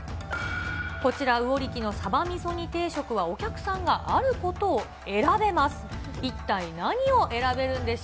こちら魚力のさばみそ煮定食は、お客さんがあることを選べます。